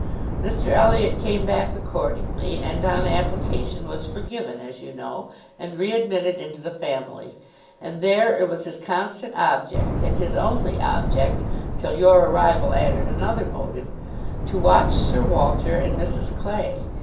Mr Elliot came back accordingly; and on application was forgiven, as you know, and re admitted into the family; and there it was his constant object, and his only object (till your arrival added another motive), to watch Sir Walter and Mrs Clay.